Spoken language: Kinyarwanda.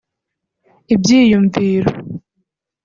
ibyiyumviro